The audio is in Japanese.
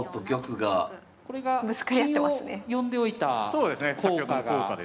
金を呼んでおいた効果が。